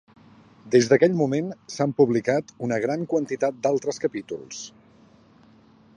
Des d'aquell moment s'han publicat una gran quantitat d'altres capítols.